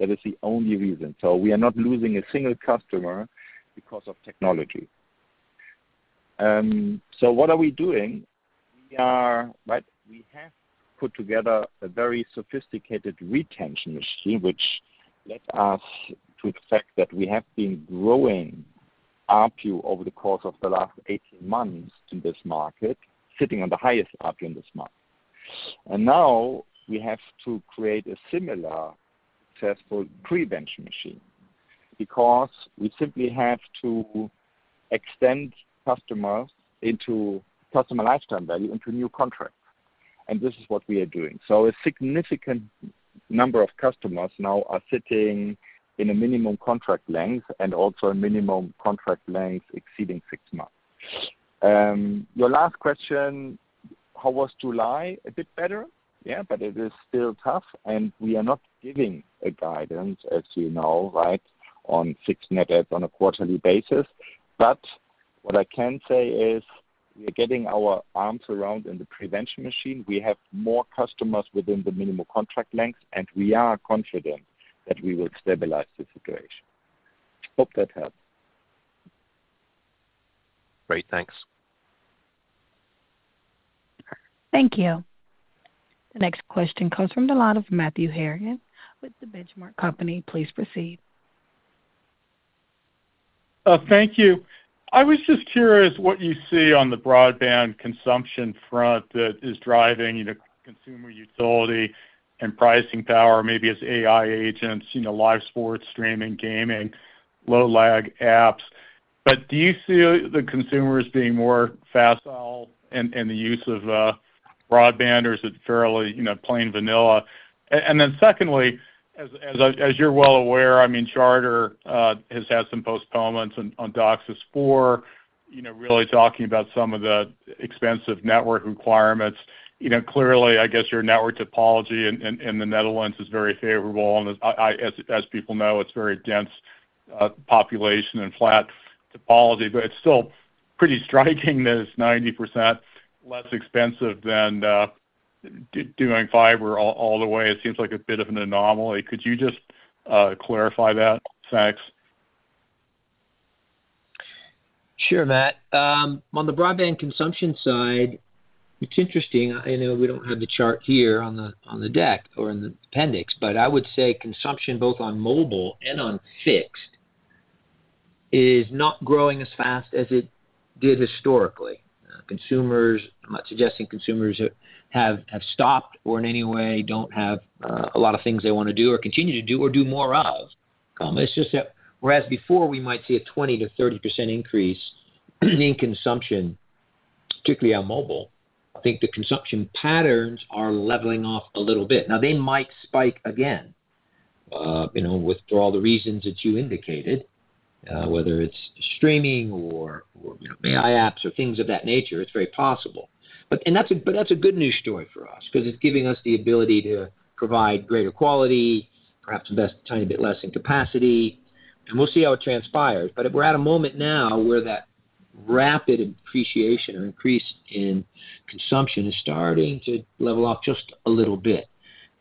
That is the only reason. We are not losing a single customer because of technology. What are we doing? We have put together a very sophisticated retention machine, which led us to the fact that we have been growing ARPU over the course of the last 18 months in this market, sitting on the highest ARPU in this market. Now we have to create a similar successful prevention machine because we simply have to extend customers into customer lifetime value into new contracts. This is what we are doing. A significant number of customers now are sitting in a minimum contract length and also a minimum contract length exceeding six months. Your last question, how was July? A bit better, yeah, but it is still tough. We are not giving a guidance, as you know, on fixed net adds on a quarterly basis. What I can say is we are getting our arms around the prevention machine. We have more customers within the minimum contract length, and we are confident that we will stabilize the situation. Hope that helps. Great, thanks. Thank you. The next question comes from the line of Matthew Harrigan with The Benchmark Company. Please proceed. Thank you. I was just curious what you see on the broadband consumption front that is driving consumer utility and pricing power. Maybe as AI agents, live sports, streaming, gaming, low lag apps. Do you see the consumers being more facile in the use of broadband or is it fairly, you know, plain vanilla? Secondly, as you're well aware, Charter has had some postponements on DOCSIS as well, really talking about some of the expensive network requirements. Clearly, I guess your network topology in the Netherlands is very favorable. As people know, it's very dense population and flat topology, but it's still pretty striking that it's 90% less expensive than doing fiber all the way. It seems like a bit of an anomaly. Could you just clarify that? Thanks. Sure. Matt, on the broadband consumption side, it's interesting. I know we don't have the chart here on the deck or in the appendix, but I would say consumption both on mobile and on fixed is not growing as fast as it did historically. I'm not suggesting consumers have stopped or in any way don't have a lot of things they want to do or continue to do or do more of. It's just that whereas before we might see a 20%-30% increase in consumption, particularly on mobile, I think the consumption patterns are leveling off a little bit now. They might spike again, with all the reasons that you indicated, whether it's streaming or AI apps or things of that nature, it's very possible. That's a good news story for Liberty Global. It's giving us the ability to provide greater quality, perhaps invest a tiny bit less in capacity, and we'll see how it transpires. We're at a moment now where that rapid appreciation or increase in consumption is starting to level off just a little bit.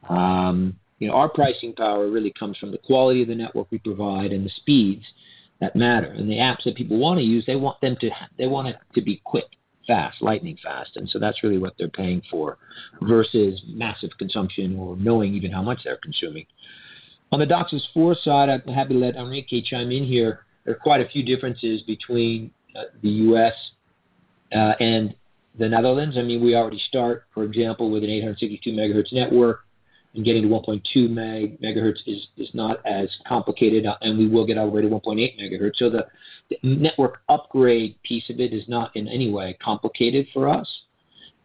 Our pricing power really comes from the quality of the network we provide and the speeds that matter. The apps that people want to use, they want to be quick, fast, lightning fast. That's really what they're paying for versus massive consumption or knowing even how much they're consuming. On the DOCSIS 4.0 side, I'm happy to let Enrique chime in here. There are quite a few differences between the U.S. and the Netherlands. We already start, for example, with an 862 MHz network and getting to 1.2 MHz is not as complicated, and we will get our way to 1.8 MHz. The network upgrade piece of it is not in any way complicated for us,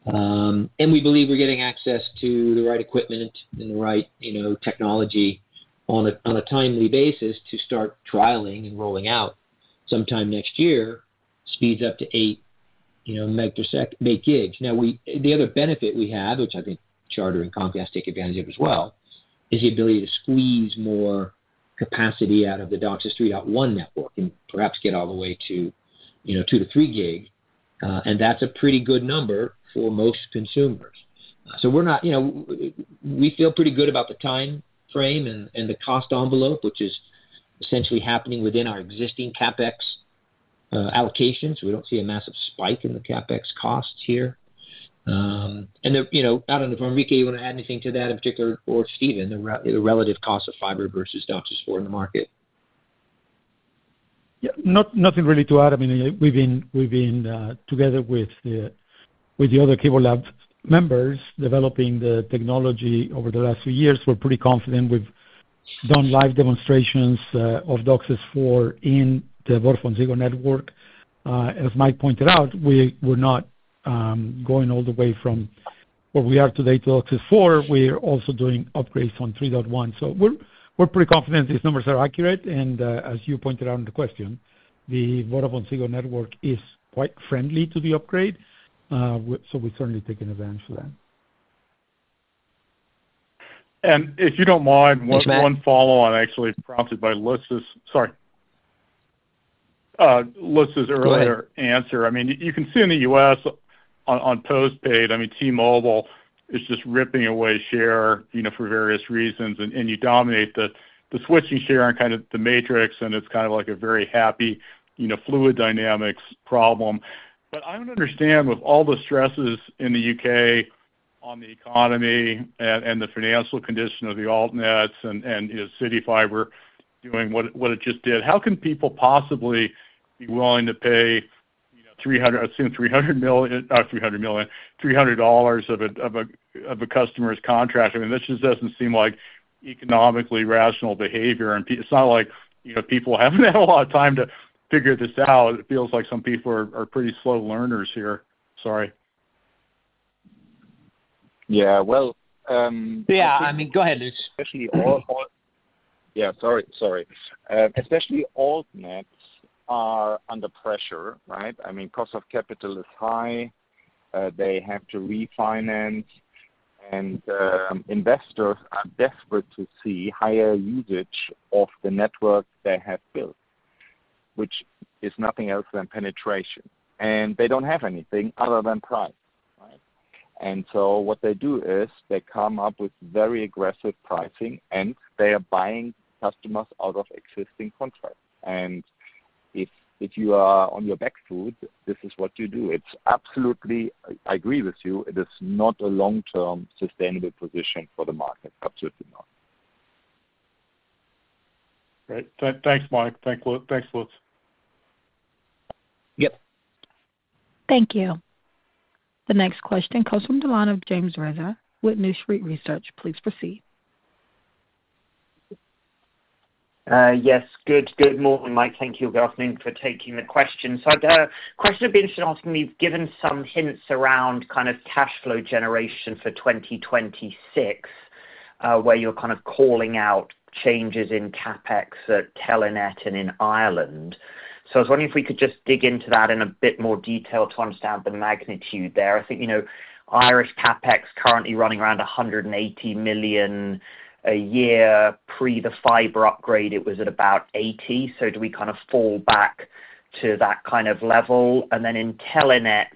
and we believe we're getting access to the right equipment and the right technology on a timely basis to start trialing and rolling out sometime next year. Speeds up to eight gigs. The other benefit we have, which I think Charter and Comcast take advantage of as well, is the ability to squeeze more capacity out of the DOCSIS 3.1 network and perhaps get all the way to two to three gig. That's a pretty good number for most consumers. We feel pretty good about the time frame and the cost envelope, which is essentially happening within our existing CapEx allocations. We don't see a massive spike in the CapEx costs here. I don't know if Enrique, you want to add anything to that in particular or Stephen, the relative cost of fiber versus DOCSIS 4.0 in the market. Nothing really to add. I mean, we've been together with the other CableLabs members developing the technology over the last few years. We're pretty confident we've done live demonstrations of DOCSIS 4.0 in the VodafoneZiggo network. As Mike pointed out, we're not going all the way from where we are today to DOCSIS 4.0. We are also doing upgrades on 3.1. We're pretty confident these numbers are accurate. As you pointed out in the question, the VodafoneZiggo network is quite friendly to the upgrade. We're certainly taking advantage of that. If you don't mind, one follow-on, actually prompted by Lisa's earlier answer. I mean, you can see in the U.S. on postpaid, T-Mobile just ripping away share for various reasons and you dominate the switching share on kind of the matrix, and it's kind of like a very happy fluid dynamics problem. I don't understand, with all the stresses in the UK on the economy and the financial condition of the altnets and CityFibre doing what it just did, how can people possibly be willing to pay $300 million, $300 million, $300 of a customer's contract? I mean, this just doesn't seem like economically rational behavior. It's not like people haven't had a lot of time to figure this out. It feels like some people are pretty slow learners here. Sorry. Yeah, I mean, go ahead. Sorry. Especially altnets are under pressure, right? I mean, cost of capital is high, they have to refinance, and investors are desperate to see higher usage of the network they have built, which is nothing else than penetration, and they don't have anything other than price. What they do is they come up with very aggressive pricing, and they are buying customers out of existing contracts. If you are on your back foot, this is what you do. Absolutely. I agree with you. It is not a long-term sustainable position for the market. Absolutely not. Great. Thanks, Mike. Thanks, Lutz. Thank you. The next question comes from James Ratzer with New Street Research. Please proceed. Yes, good. Good morning, Mike. Thank you. Good afternoon, thank you for taking the question. The question would be interesting asking. We've given some hints around, kind of cash flow generation for 2026, where you're kind of calling out changes in CapEx at Telenet and in Ireland. I was wondering if we could just dig into that in a bit more detail to understand the magnitude there. I think you know Irish CapEx currently running around €180 million a year. Pre the fiber upgrade it was at about €80 million. Do we kind of fall back. To that kind of level, and then. In Telenet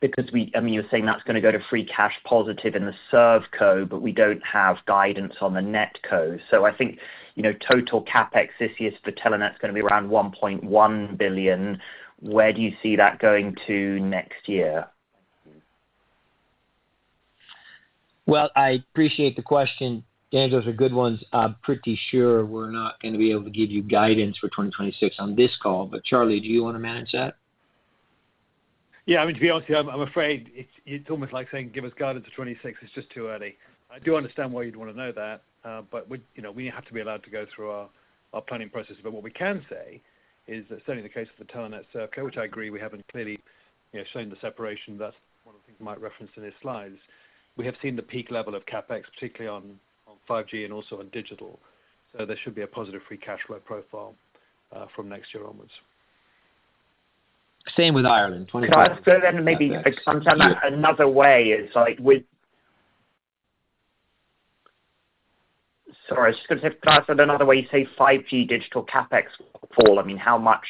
because we, I mean, you're. Saying that's going to go to free cash positive in the Servco, but we don't have guidance on the Netco. I think, you know, total CapEx. This year for Telenet is going to. Be around $1.1 billion. Where do you see that going to next year? I appreciate the question. James' are good ones. I'm pretty sure we're not going to be able to give you guidance for 2026 on this call. Charlie, do you want to manage that? Yeah, I mean to be honest, I'm Afraid it's almost like saying give U.S. guidance for 2026. It's just too early. I do understand why you'd want to know that, but we have to be. What we can say is that certainly in the case of the Telenet circuit, which I agree we haven't clearly shown the separation, that's one of the things Mike referenced in his slides. We have seen the peak level of CapEx, particularly on 5G and also on digital. There should be a positive free cash flow profile from next year onwards. Same with Ireland. Can I go then? Maybe another way is like, sorry, I was just going to say, could I say it another way? You say 5G digital CapEx fall. I mean, how much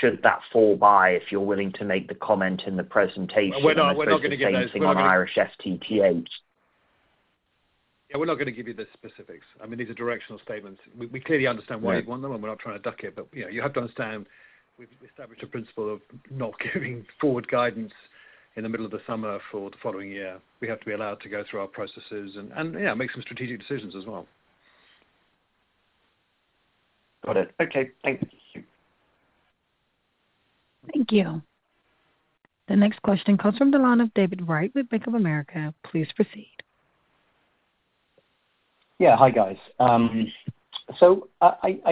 should that fall by? If you're willing to make the comment in the presentation, We're not going to give you anything on Irish FTTH. Yeah, we're not going to give you the specifics. I mean, these are directional statements. We clearly understand why you want them. We are not trying to duck it. You have to understand we've established a principle of not giving forward guidance in the middle of the summer for the following year. We have to be allowed to go through our processes and make some strategic decisions as well. Got it. Okay. Thank you. Thank you. The next question comes from David Wright with Bank of America. Please proceed. Yeah, hi guys. I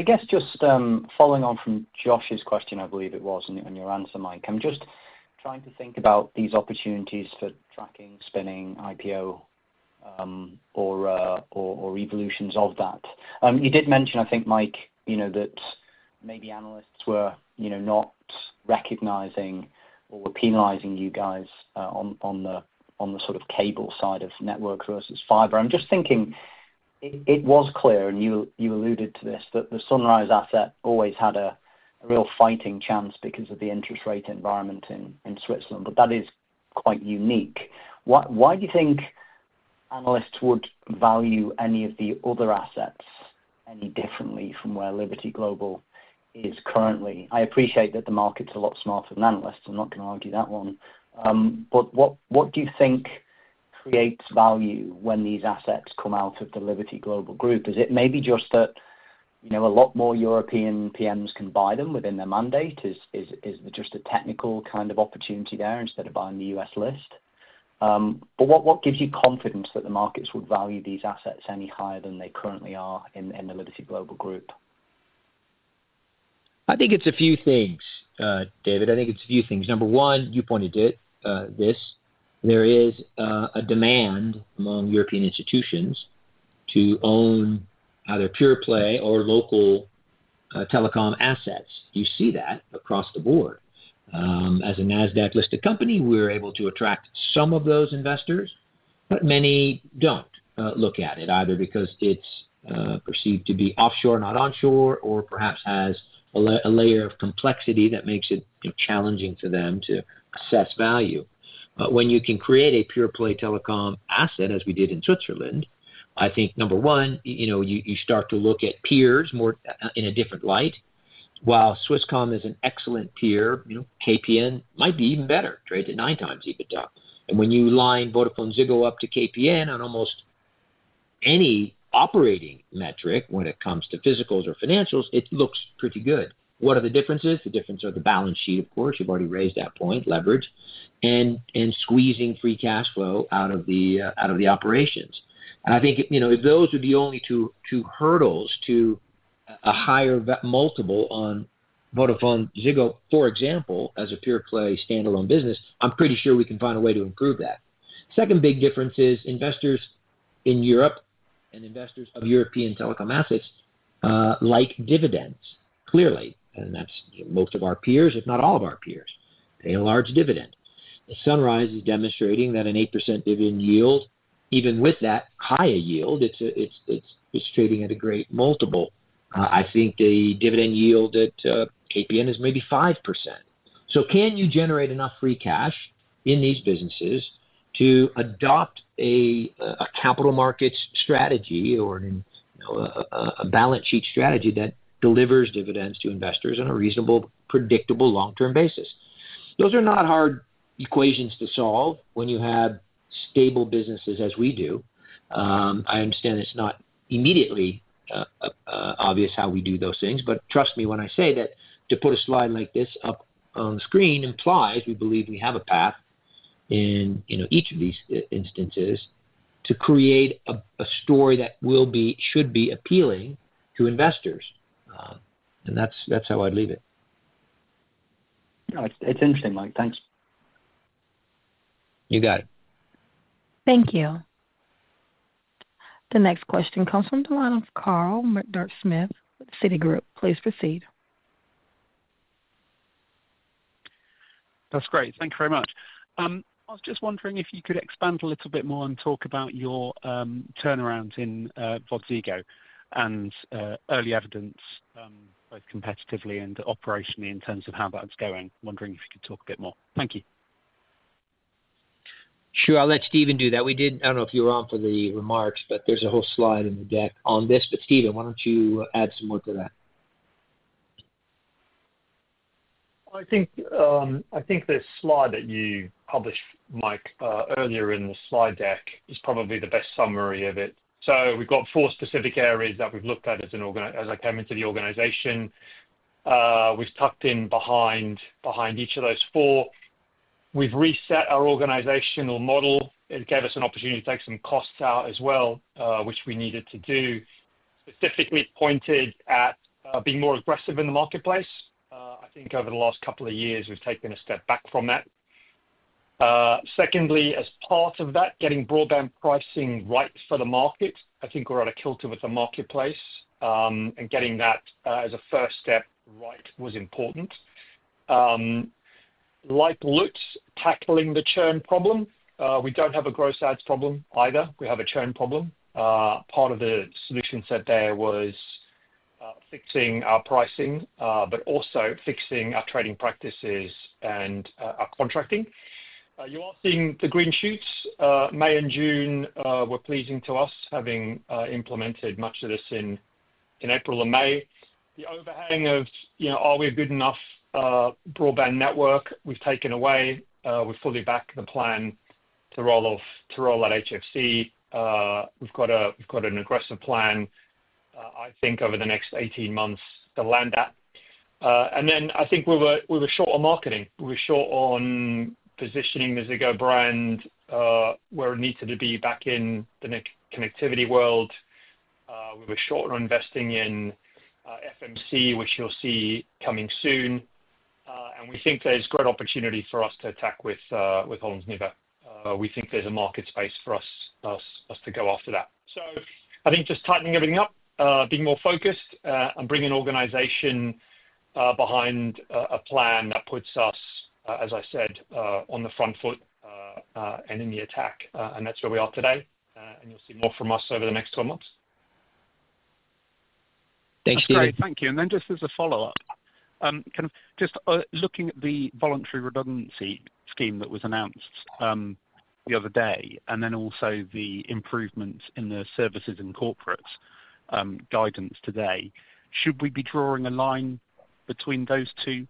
guess just following on from. Josh's question, I believe it was on your answer, Mike. I'm just trying to think about these opportunities for tracking, spinning, IPO. Or evolutions of that. You did mention, I think, Mike, that maybe analysts were not recognizing or penalizing. You guys on the sort of cable side of network versus fiber. I'm just thinking it was clear. You alluded to this, that the Sunrise asset always had a real fighting chance. Because of the interest rate environment in Switzerland, that is quite unique. Why do you think analysts would value any of the other assets any differently from where Liberty Global is currently? I appreciate that the market's a lot smarter than analysts. I'm not going to argue that one. What do you think creates value when these assets come out of the Liberty Global Group? Is it maybe just that a lot more European PMs can buy them within their mandate? It's just a technical kind of opportunity. Instead of buying the U.S. list, what gives you confidence that the Markets would value these assets any higher than they currently are in the Liberty Global Group? I think it's a few things, David. I think it's a few things. Number one, you pointed to this. There is a demand among European institutions to own either pure play or local telecom assets. You see that across the board. As a NASDAQ-listed company, we're able to attract some of those investors. Many don't look at it either because it's perceived to be offshore, not onshore, or perhaps has a layer of complexity that makes it challenging for them to assess value. When you can create a pure play telecom asset as we did in Switzerland, I think, number one, you start to look at peers in a different light. While Swisscom is an excellent peer, KPN might be even better. Trades at 9x EBITDA. When you line VodafoneZiggo up to KPN on almost any operating metric, when it comes to physicals or financials, it looks pretty good. What are the differences? The difference of the balance sheet. Of course, you've already raised that point. Leverage and squeezing free cash flow out of the operations. If those are the only two hurdles to a higher multiple on VodafoneZiggo, for example, as a pure play standalone business, I'm pretty sure we can find a way to improve that. Second big difference is investors in Europe and investors of European telecom assets like dividends, clearly, and that's most of our peers, if not all of our peers, pay a large dividend. Sunrise is demonstrating that, an 8% dividend yield. Even with that higher yield, it's trading at a great multiple. I think the dividend yield at KPN is maybe 5%. Can you generate enough free cash in these businesses to adopt a capital markets strategy or a balance sheet strategy that delivers dividends to investors on a reasonable, predictable long-term basis? Those are not hard equations to solve when you have stable businesses as we do. I understand it's not immediately obvious how we do those things, but trust me. When I say that to put a slide like this up on the screen implies we believe we have a path in each of these instances to create a story that should be appealing to investors. That's how I'd leave it. It's interesting. Mike, thanks. You got it. Thank you. The next question comes from the line of Carl Murdock-Smith, Citigroup. Please proceed. That's great. Thank you very much. I was just wondering if you could expand a little bit more and talk about your turnaround in VodafoneZiggo and early evidence, both competitively and operationally, in terms of how that's going. Wondering if you could talk a bit more. Thank you. Sure. I'll let Steve do that. We did. I don't know if you were on for the remarks, but there's a whole slide in the deck on this. Stephen, why don't you add some more to that? I think this slide that you published, Mike, earlier in the slide deck is probably the best summary of it. We've got four specific areas that we've looked at as I came into the organization. We've tucked in behind each of those four. We've reset our organizational model. It gave us an opportunity to take some costs out as well, which we needed to do. Specifically pointed at being more aggressive in the marketplace. I think over the last couple of years we've taken a step back from that. Secondly, as part of that, getting broadband pricing right for the market, I think we're at a kilter with the marketplace and getting that as a first step right was important. Like Lutz tackling the churn problem. We don't have a gross ads problem either. We have a churn problem. Part of the solution set there was fixing our pricing, but also fixing our trading practices and our contracting. You are seeing the green shoots. May and June were pleasing to us. Having implemented much of this in April and May, the overhang of are we a good enough broadband network, we've taken away. We've fully backed the plan to roll out HFC. We've got an aggressive plan, I think over the next 18 months to land that. I think we were short on marketing. We were short on positioning the Ziggo brand where it needed to be back in the next connectivity world. We were short on investing in FMC, which you'll see coming soon. We think there's great opportunity for us to attack with Hollandsnieuwe. We think there's a market space for us to go after that. I think just tightening everything up, being more focused, and bringing organization behind a plan that puts us, as I said, on the front foot, that's where we are today. You'll see more from us over the next 12 months. Thank you. `Thank you. Just as a follow up, just looking at the voluntary redundancy scheme that was announced the other day and also the improvements in the services and corporate guidance today. Should we be drawing a line between those two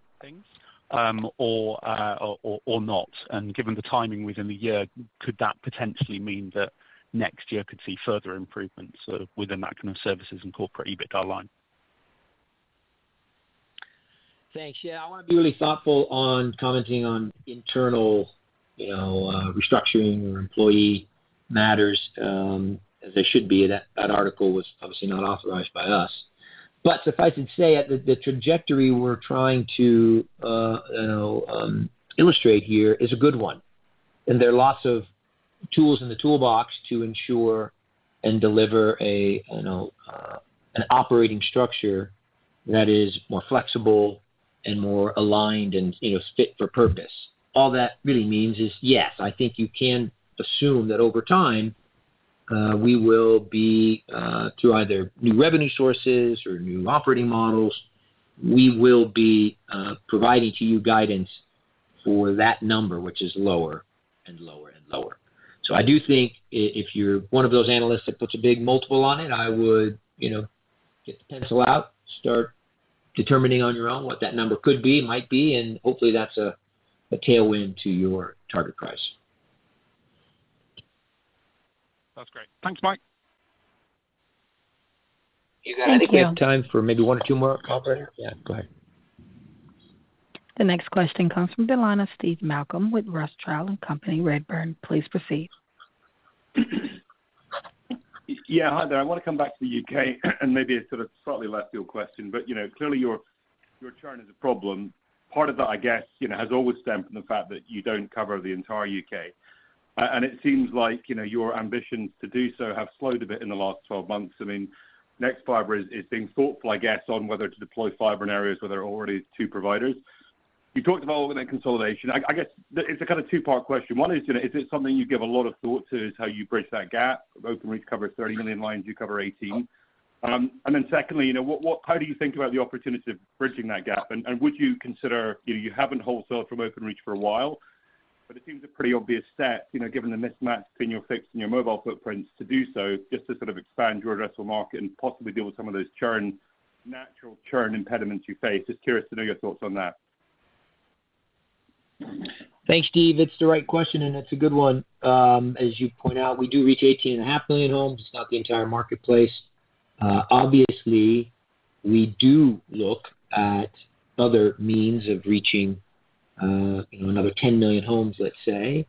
or not? Given the timing within the year, could that potentially mean that next year could see further improvements within that kind of services and corporate EBITDA line? Thanks. I want to be really thoughtful on commenting on internal restructuring or employee matters, as they should be. That article was obviously not authorized by us, but suffice it to say, the trajectory we're trying to Illustrate here is a good one. There are lots of tools in the toolbox to ensure and deliver an operating structure that is more flexible and more aligned and fit for purpose. All that really means is, yes, I think you can assume that over time we will be through either new revenue sources or new operating models. We will be providing to you guidance for that number, which is lower and lower and lower. I do think if you're one of those analysts that puts a big multiple on it, I would get the pencil out, start determining on your own what that number could be, might be. Hopefully that's a tailwind to your target price. That's great. Thanks, Mike. I think we have time for maybe one or two more operators. Go ahead. The next question comes from Delana. Steve Malcolm with Redburn. Please proceed. Yeah, hi there. I want to come back to the UK and maybe it's sort of slightly less your question, but you know, clearly your churn is a problem. Part of that, I guess, has always stemmed from the fact that you don't cover the entire UK, and it seems like your ambitions to do so have slowed a bit in the last 12 months. I mean, NextFiber is being thoughtful, I guess, on whether to deploy fiber in areas where there are already two providers. You talked about that consolidation. I guess it's a kind of two-part question. One is, is it something you give a lot of thought to, is how you bridge that gap. Openreach covers 30 million lines, you cover 18 million. And then secondly, how do you think about the opportunity of bridging that gap? Would you consider, you haven't wholesaled from Openreach for a while, but it seems a pretty obvious set given the mismatch between your fixed and your mobile footprints, to do so, just to sort of expand your addressable market and possibly deal with some of those natural churn impediments you face. Just curious to know your thoughts on that. Thanks, Steve. It's the right question and it's a good one. As you point out, we do reach 18.5 million homes. It's not the entire marketplace, obviously. We do look at other means of reaching another 10 million homes, let's say,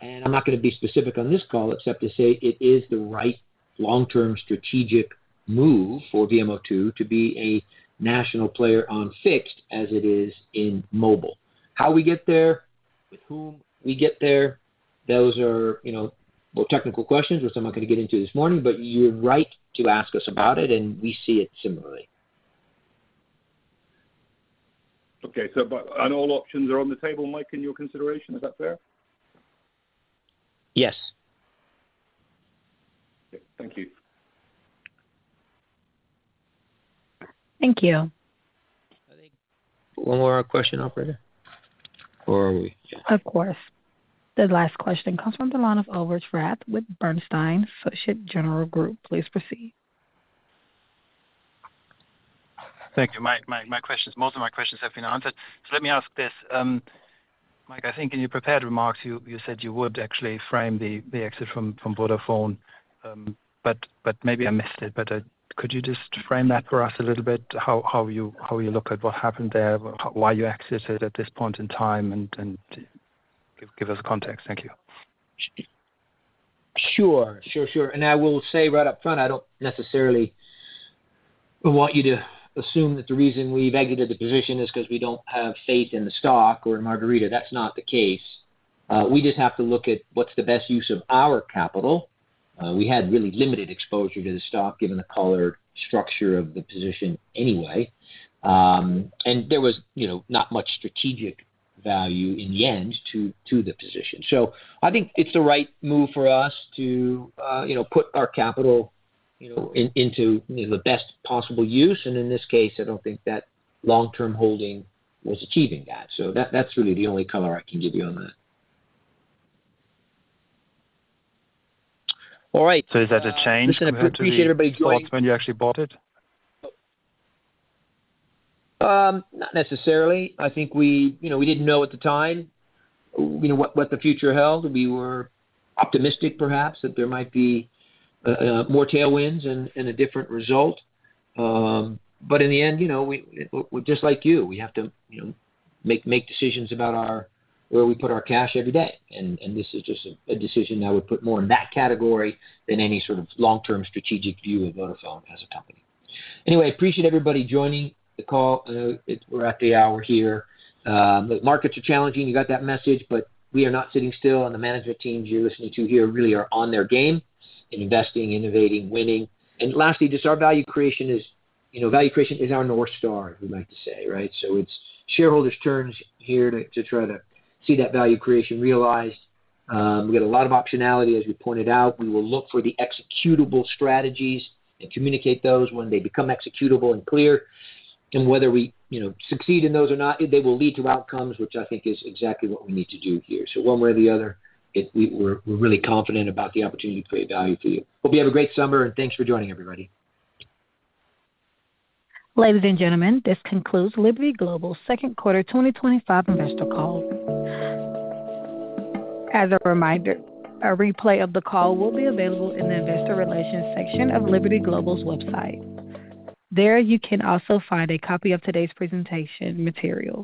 and I'm not going to be specific on this call, except to say it is the right long-term strategic move for VMO2 to be a national player on fixed as it is in mobile. How we get there, with whom we get there, those are more technical questions which I'm not going to get into this morning. You're right to ask us about it and we see it similarly. Okay. All options are on the table, Mike, in your consideration. Is that fair? Yes. Thank you. Thank you. One more question, operator. Of course, the last question comes from the line of Ulrich Rathe with Bernstein Societe Generale Group. Please proceed. Thank you.My questions, most of my questions have been answered. Let me ask this, Mike. I think in your prepared remarks you said you would actually frame the exit from Vodafone, but maybe I missed it. Could you just frame that for us a little bit how you look at what happened there, why you exited at this point in time, and give us context. Thank you. Sure. I will say right up front, I don't necessarily want you to assume that the reason we exited the position is because we don't have faith in the stock or Margherita. That's not the case. We just have to look at what's the best use of our capital. We had really limited exposure to the stock given the color structure of the position anyway, and there was not much strategic value in the end to the position. I think it's the right move for us to put our capital into the best possible use. In this case, I don't think that long term holding was achieving that. That's really the only color I can give you on that. All right, so is that a change? When you actually bought it? Not necessarily. I think we didn't know at the time what the future held. We were optimistic perhaps that there might be more tailwinds and a different result. In the end, just like you, we have to make decisions about where we put our cash every day. This is just a decision. I would put more in that category than any sort of long-term strategic view of Vodafone as a company. Anyway, I appreciate everybody joining the call. We're at the hour here. The markets are challenging, you got that message. We are not sitting still. The management teams you're listening to here really are on their game: investing, innovating, winning. Lastly, our value creation is, you know, value creation is our North Star, we like to say. It's shareholders' turns here to try to see that value creation realized. We got a lot of optionality as we pointed out. We will look for the executable strategies and communicate those when they become executable and clear. Whether we succeed in those or not, they will lead to outcomes, which I think is exactly what we need to do here. One way or the other, we're really confident about the opportunity to create value for you. Hope you have a great summer and. Thanks for joining everybody. Ladies and gentlemen, this concludes Liberty Global second quarter 2025 investor call. As a reminder, a replay of the call will be available in the investor relations section of Liberty Global's website. There you can also find a copy of today's presentation materials.